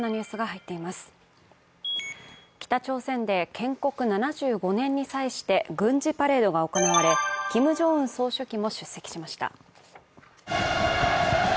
北朝鮮で建国７５年に際して軍事パレードが行われキム・ジョンウン総書記も出席しました。